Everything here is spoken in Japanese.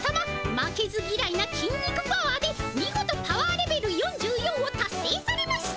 負けずぎらいなきん肉パワーでみごとパワーレベル４４をたっせいされました。